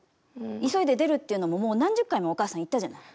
急いで出るっていうのももう何十回もお母さん言ったじゃない。